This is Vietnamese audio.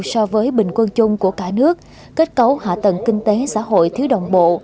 so với bình quân chung của cả nước kết cấu hạ tầng kinh tế xã hội thiếu đồng bộ